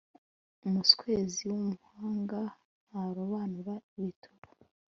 umuswezi w'umuhanga ntarobanura ibituba